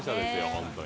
本当に。